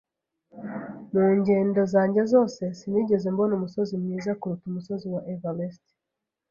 Mu ngendo zanjye zose, sinigeze mbona umusozi mwiza kuruta umusozi wa Everest.